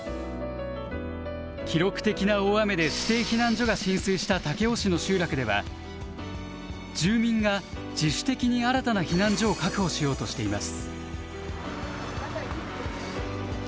記録的な大雨で指定避難所が浸水した武雄市の集落では住民が自主的に新たな避難所を確保しようとしています。